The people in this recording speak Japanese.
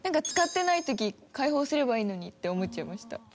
使ってない時開放すればいいのにって思っちゃいました。